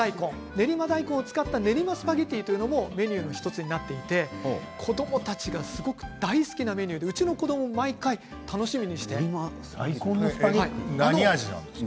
練馬大根を使ったスパゲッティというのもメニューの１つになっていて子どもたちが大好きなメニューでうちの子どもも何味なんですか？